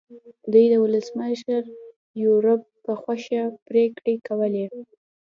دوی د ولسمشر یوریب په خوښه پرېکړې کولې.